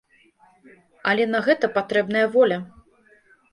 Але на гэта патрэбная воля.